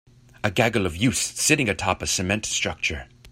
A gaggle of youths sitting atop a cement structure.